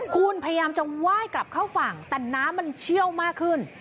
คุณพยายามจะไหว้กลับเข้าฝั่งแต่น้ำมันเชี่ยวมากขึ้น